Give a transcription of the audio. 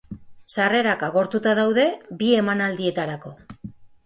Sarrerak agortuta daude bi emanaldietarako.